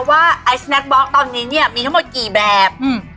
ว่าร้านบอกตอนนี้มีทั้งหมดกี่แบบ